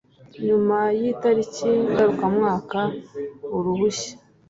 nyuma y itariki ngarukamwaka uruhushya